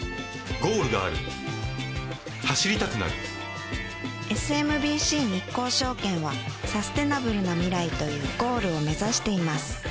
ゴールがある走りたくなるＳＭＢＣ日興証券はサステナブルな未来というゴールを目指しています